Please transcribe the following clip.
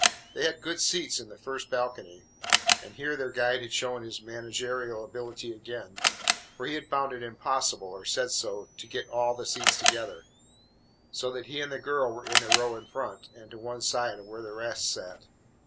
They had good seats in the first balcony, and here their guide had shown his managerial ability again, for he had found it impossible, or said so, to get all the seats together, so that he and the girl were in the row in front and to one side of where the rest sat.